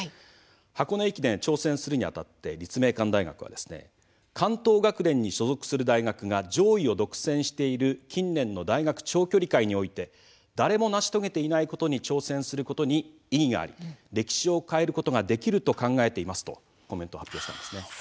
箱根駅伝に挑戦するにあたって立命館大学は関東学連に所属する大学が上位を独占している近年の大学長距離界において誰も成し遂げていないことに挑戦することに意義があり歴史を変えることができると考えていますとコメントを発表しています。